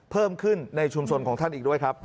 เพิ่มขึ้นในชุมชนของท่านอีกด้วยครับ